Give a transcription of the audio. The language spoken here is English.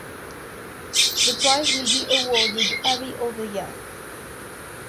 The prize will be awarded every other year.